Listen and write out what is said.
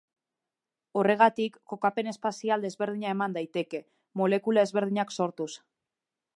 Horregatik, kokapen espazial desberdina eman daiteke, molekula ezberdinak sortuz.